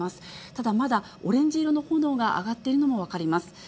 ただ、まだオレンジ色の炎が上がっているのも分かります。